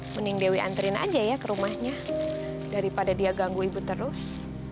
mending dewi antrian aja ya ke rumahnya daripada dia ganggu ibu terus